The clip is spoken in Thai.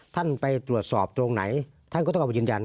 ท่านไปตรวจสอบตรงไหนท่านก็ต้องเอาไปยืนยัน